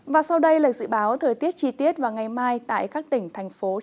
và sau đây là dự báo thời tiết chi tiết vào ngày mai tại các tỉnh thành phố